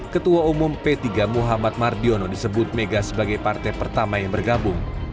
ketua umum p tiga muhammad mardiono disebut mega sebagai partai pertama yang bergabung